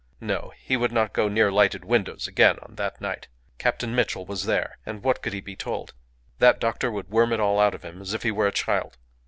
No! He would not go near lighted windows again on that night. Captain Mitchell was there. And what could he be told? That doctor would worm it all out of him as if he were a child.